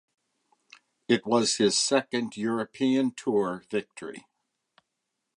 It was his second European Tour victory.